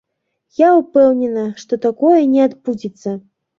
Я ўпэўнена, што такое не адбудзецца.